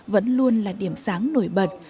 vẫn luôn là điểm sáng nổi bật